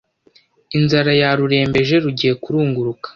Inzara yarurembeje, rugiye kurunguruka